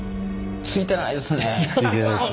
ついてないです。